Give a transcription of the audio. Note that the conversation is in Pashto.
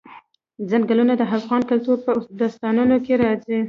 ځنګلونه د افغان کلتور په داستانونو کې راځي.